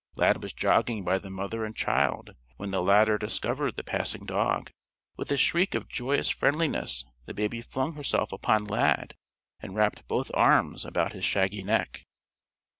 Lad was jogging by the mother and child when the latter discovered the passing dog. With a shriek of joyous friendliness the baby flung herself upon Lad and wrapped both arms about his shaggy neck.